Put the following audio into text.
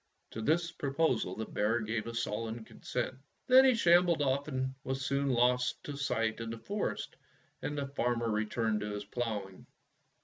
To this proposal the bear gave a sullen consent. Then he shambled off and was soon lost to sight in the forest, and the farmer re turned to his ploughing.